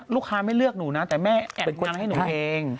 ลูกค้าไม่เลือกหนูแต่แม่แอดงานให้หนูเอง